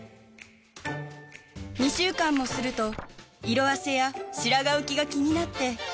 ２週間もすると色あせや白髪浮きが気になって。